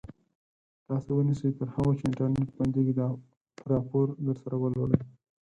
تاسو ونیسئ تر هغو چې انټرنټ بندېږي دا راپور درسره ولولئ.